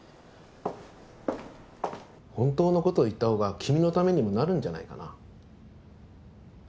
本当のことを言った方が君のためにもなるんじゃないかな。